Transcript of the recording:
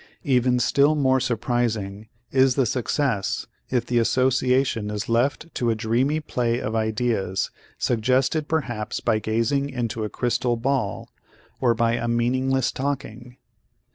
Even still more surprising is the success if the association is left to a dreamy play of ideas suggested perhaps by gazing into a crystal ball or by a meaningless talking.